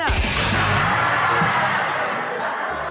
ทำไมทั้งนั้นน่ะ